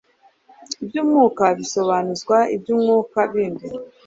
Iby'umwuka bisobanuzwa iby'umwuka bindi.